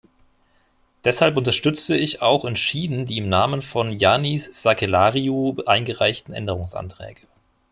Deshalb unterstütze ich auch entschieden die im Namen von Jannis Sakellariou eingereichten Änderungsanträge.